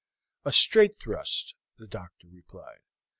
"A straight thrust," the doctor replied.